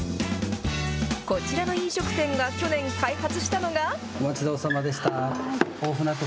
こちらの飲食店が去年開発したのが。